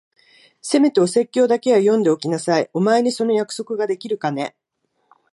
せめてお説教だけは読んでおきなさい。お前にその約束ができるかね？